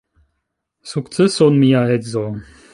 Sukceson, mia edzo!